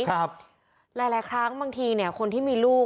หลายครั้งบางทีคนที่มีลูก